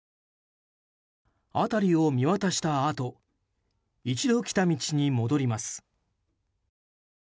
辺りを見渡したあと一度、来た道に戻ります。